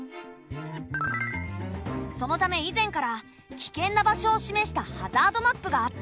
そのため以前から危険な場所を示したハザードマップがあった。